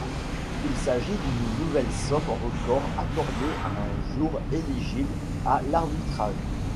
Il s'agit d'une nouvelle somme record accordée à un jour éligible à l'arbitrage.